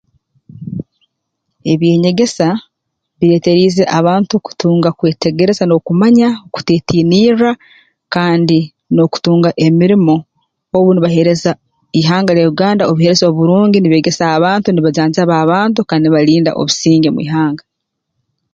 Eby'enyegesa bireeteriize abantu kutuga kwetegereza n'okumanya kuteetiinirra kandi n'okutunga emirimo obu nibaheereza ihanga lya Uganda obuheereza oburungi nibeegesa abantu nibajanjaba abantu kandi nibalinda obusinge mu ihanga